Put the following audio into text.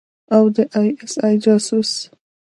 او د آى اس آى جاسوس.